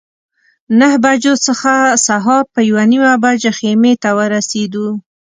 نهه بجو څخه سهار په یوه نیمه بجه خیمې ته ورسېدو.